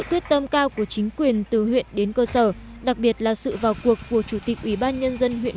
quyết tâm cao của chính quyền từ huyện đến cơ sở đặc biệt là sự vào cuộc của chủ tịch ubnd huyện